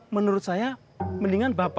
menurut saya mendingan bapaknya pak